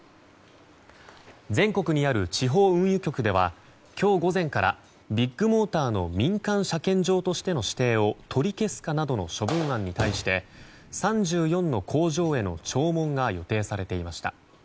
全国にある地方運輸局では今日午前からビッグモーターの民間車検場としての指定を取り消すかなどの処分案に対して３４の工場への聴聞が予定されていました。